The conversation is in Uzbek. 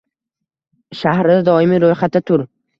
Shahrida doimiy roʻyxatda tur